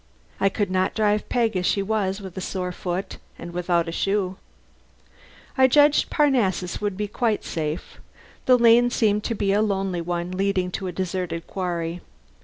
I could not drive Peg as she was, with a sore foot and without a shoe. I judged Parnassus would be quite safe: the lane seemed to be a lonely one leading to a deserted quarry.